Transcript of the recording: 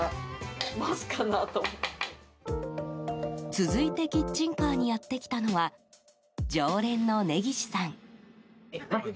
続いてキッチンカーにやってきたのは常連の根岸さん。